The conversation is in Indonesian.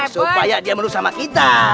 supaya dia melurus sama kita